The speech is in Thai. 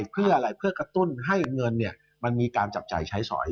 เพื่ออะไรเพื่อกระตุ้นให้เงินมันมีการจับจ่ายใช้สอย